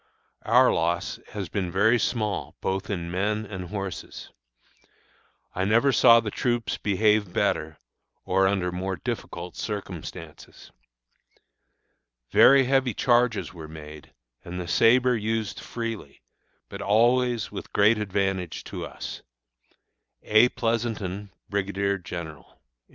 Our loss has been very small both in men and horses. I never saw the troops behave better, or under more difficult circumstances. Very heavy charges were made, and the sabre used freely, but always with great advantage to us. A. PLEASONTON, Brigadier General.